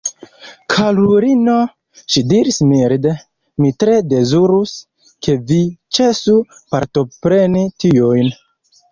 Karulino, ŝi diris milde, mi tre dezirus, ke vi ĉesu partopreni tiujn.